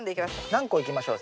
何個いきましょう？